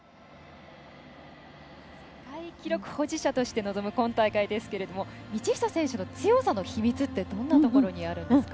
世界記録保持者として臨む今大会ですけれども道下選手の強さの秘密ってどんなところにあるんですか？